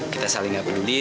kita saling gak peduli